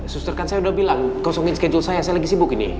suster kan saya udah bilang kosongin schedule saya saya lagi sibuk ini